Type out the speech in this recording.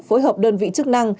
phối hợp đơn vị chức năng